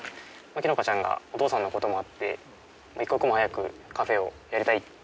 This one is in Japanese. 樹乃香ちゃんがお父さんのこともあって一刻も早くカフェをやりたいってことだったので。